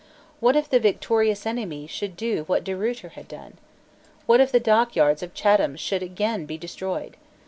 What if the victorious enemy should do what De Ruyter had done? What if the dockyards of Chatham should again be destroyed?